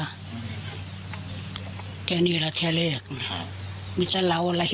ไม่มีใครนี่เลย